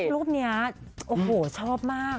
รูปนี้ชอบมาก